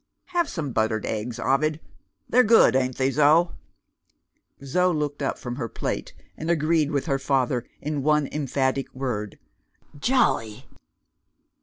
Have some buttered eggs, Ovid. They're good, ain't they, Zo?" Zo looked up from her plate, and agreed with her father, in one emphatic word, "Jolly!"